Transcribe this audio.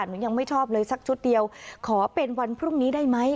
หนูยังไม่ชอบเลยสักชุดเดียวขอเป็นวันพรุ่งนี้ได้ไหม